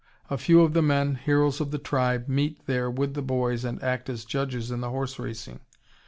A few of the men, heroes of the tribe, meet there with the boys and act as judges in the horse racing.